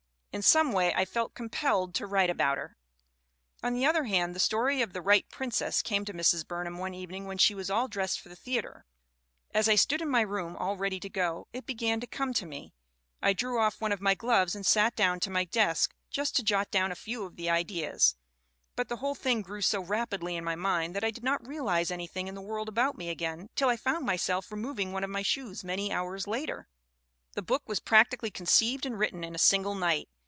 In some way I felt compelled to write about her." On the other hand the story of The Right Princess came to Mrs. Burnham one evening when she was all dressed for the theater. "As I stood in my room, all ready to go, it began to come to me. I drew off one of my gloves and sat down to my desk just to jot down a few of the ideas; but the whole thing grew so rapidly in my mind that I did not realize anything in the world about me again, till I found myself remov ing one of my shoes many hours later. "The book was practically conceived and written in a single night.